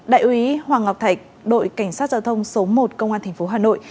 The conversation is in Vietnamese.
đại úy hoàng ngọc thạch đội cảnh sát giao thông số một công an thành phố hà nội